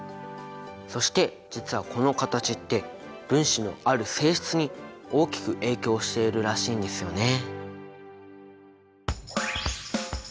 そして実はこの形って分子のある性質に大きく影響しているらしいんですよね。